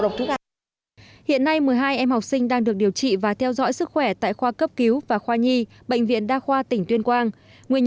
nguyên nhân ban đầu được xác định là bệnh viện đa khoa tỉnh tuyên quang